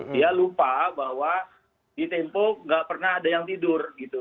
dia lupa bahwa di tempo nggak pernah ada yang tidur gitu